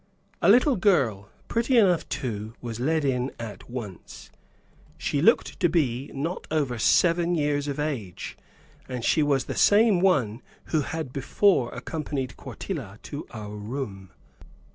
A little girl, pretty enough, too, was led in at once; she looked to be not over seven years of age, and she was the same one who had before accompanied Quartilla to our room.